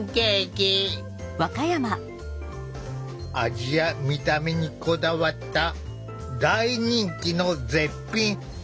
味や見た目にこだわった大人気の絶品スイーツだ。